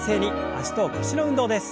脚と腰の運動です。